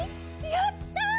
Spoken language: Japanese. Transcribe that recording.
やったー！